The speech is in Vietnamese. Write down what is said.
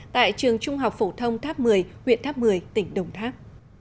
tại trường trung học phổ thông tháp một mươi huyện tháp một mươi tỉnh đồng tháp